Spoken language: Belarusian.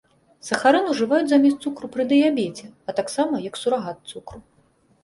Сахарын ужываюць замест цукру пры дыябеце, а таксама як сурагат цукру.